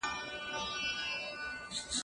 ډیپلوماسي د تفاهم او تمدن لار ده.